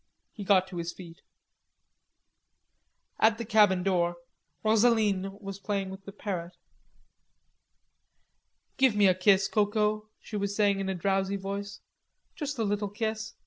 He got to his feet. At the cabin door, Rosaline was playing with the parrot. "Give me a kiss, Coco," she was saying in a drowsy voice, "just a little kiss.